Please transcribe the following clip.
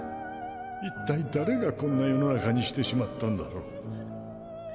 一体誰がこんな世の中にしてしまったんだろう。